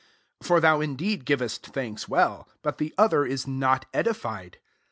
17 For thou indeed givest thanks well ; but the other is not edified.